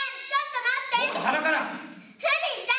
ちょっと待って！